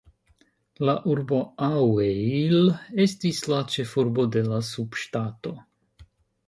La urbo Aŭeil estis la ĉefurbo de la subŝtato.